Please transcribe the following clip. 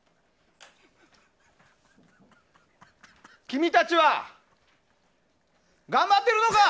君たちは頑張っているのか。